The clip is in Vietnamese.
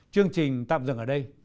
chương trình tạm dừng ở đây